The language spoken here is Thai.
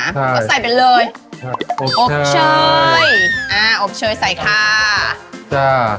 อ่าก็ใส่ไปเลยอบเชยอ่าอบเชยใส่ค่ะจ้า